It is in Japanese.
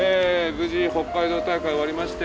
無事北海道大会終わりまして